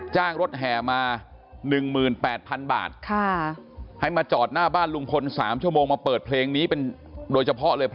จ้างรถแห่มา๑๘๐๐๐บาทให้มาจอดหน้าบ้านลุงพล๓ชั่วโมงมาเปิดเพลงนี้เป็นโดยเฉพาะเลย